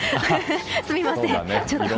すみません。